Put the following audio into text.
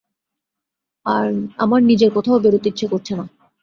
আমার নিজের কোথাও বেরুতে ইচ্ছা করছে না।